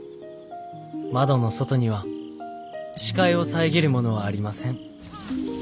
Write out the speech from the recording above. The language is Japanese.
窓の外には視界を遮るものはありません。